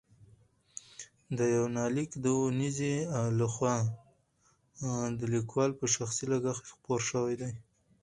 دا یونلیک د اونیزې له خوا د لیکوال په شخصي لګښت خپور شوی دی.